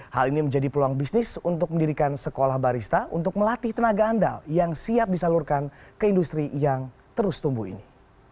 hal ini menjadi peluang bisnis untuk mendirikan sekolah barista untuk melatih tenaga andal yang siap disalurkan ke industri yang terus tumbuh ini